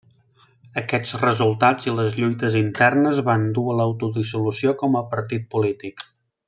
Aquests resultats i les lluites internes van dur a l'autodissolució com a partit polític.